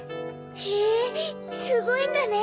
へぇすごいんだね！